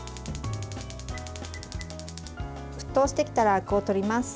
沸騰してきたら、あくをとります。